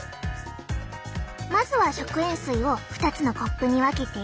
まずは食塩水を２つのコップに分けて。